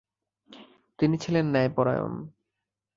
তিনি ছিলেন ন্যায়পরায়ণ।